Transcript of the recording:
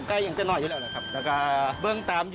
คนอีสานสุดมากเห็นเฮ็ดลาบเห็นเก้า